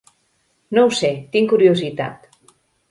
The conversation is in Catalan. No ho sé, tinc curiositat.